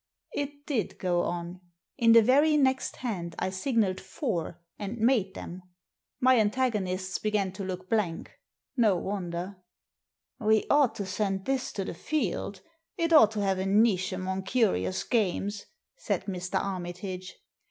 It did go on. In the very next hand I signalled four, and made them. My antagonists began to look blank ; no wonder I Digitized by VjOOQIC A PACK OF CARDS 69 "We ought to send this to the Field. It ought to have a niche among curious games/' said Mr. Armitage.